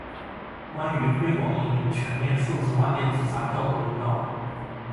关于推广应用全面数字化电子发票的公告